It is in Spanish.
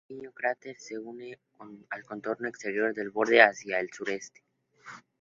Un pequeño cráter se une al contorno exterior del borde hacia el sureste.